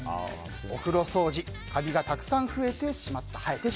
お風呂掃除カビがたくさん生えてしまった。